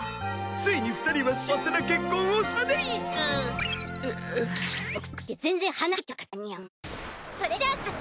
ついに２人は幸せな結婚をしたでうぃす。